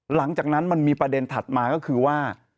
หลังจากนั้นมันมีประเด็นถัดมาก็คือว่า